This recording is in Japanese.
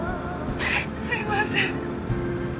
すいません。